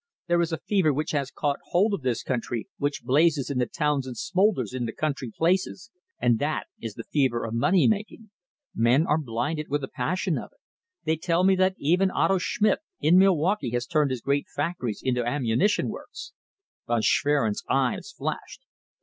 There is a fever which has caught hold of this country, which blazes in the towns and smoulders in the country places, and that is the fever of money making. Men are blinded with the passion of it. They tell me that even Otto Schmidt in Milwaukee has turned his great factories into ammunition works." Von Schwerin's eyes flashed.